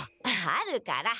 あるから。